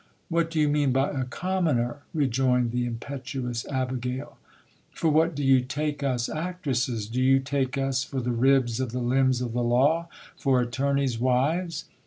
What do you mean by a commoner ? re joined the impetuous abigail : for what do you take us actresses ? Do you take us for the ribs of the limbs of the law ? for attorneys' wives